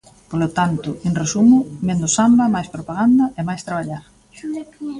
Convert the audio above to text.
Polo tanto, en resumo, menos samba, máis propaganda e máis traballar.